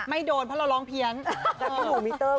ไม่โดนเพราะเราร้องเพียง